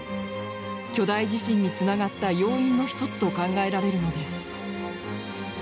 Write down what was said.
巨大地震につながった要因の一つと考えられるのです。